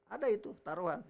ada itu taruhan